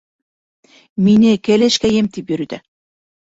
Мине «кәләшкәйем» тип йөрөтә.